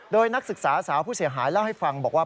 โดยนักศึกษาสาวผู้เสียหายเล่าให้ฟังบอกว่า